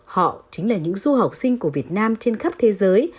họ chính là những du học sinh của việt nam trên khắp thế giới